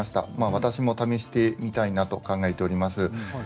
私も試してみたいなと考えております。